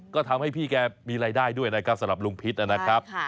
ก็ทำให้พี่แกมีรายได้ด้วยนะครับสำหรับลุงพิษนะครับ